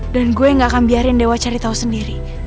dan gue gak akan biarin dewa cari tau sendiri